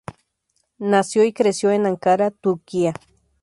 Nació y creció en Ankara, Turquía.